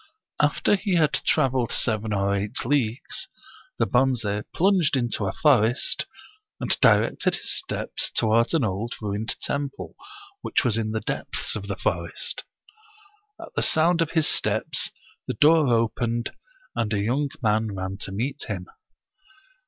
After he had traveled seven or eight leagues, the Bonze plunged into a forest, and directed his steps toward an old ruined temple, which was in the depths of the forest. At the sound of his steps the door opened, and a young man ran to meet him.